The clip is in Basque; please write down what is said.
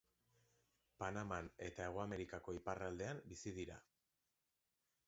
Panaman eta Hego Amerikako iparraldean bizi dira.